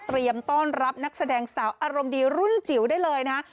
ต้อนรับนักแสดงสาวอารมณ์ดีรุ่นจิ๋วได้เลยนะฮะ